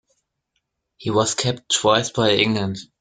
He was capped twice by England.